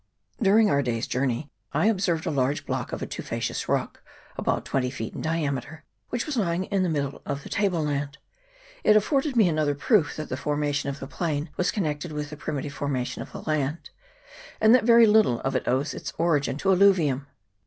During our day's journey I observed a large block of a tufaceous rock about twenty feet in diameter, which was lying in the middle of the table land : it afforded me another proof that the formation of the plain was connected with the primitive forma 416 THE PIAKO. [PART n. tion of the land, and that very little of it owes its origin to alluvium.